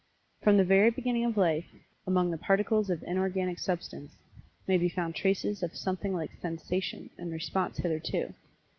From the very beginning of Life among the Particles of Inorganic Substance, may be found traces of something like Sensation, and response thereto.